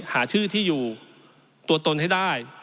หาชื่อที่อยู่ตัวตนให้ได้